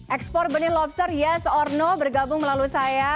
ekspor benih lobster yes or no bergabung melalui saya